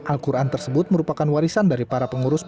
al quran tersebut merupakan warisan dari para pengurus